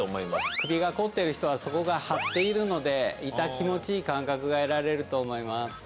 首が凝っている人はそこが張っているので、痛気持ちいい感覚が得られると思います。